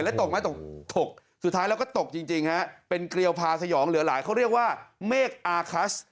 แล้วตกไหมตกถกสุดท้ายแล้วก็ตกจริงฮะเป็นเกลียวพาสยองเหลือหลายเขาเรียกว่าเมฆอาคัส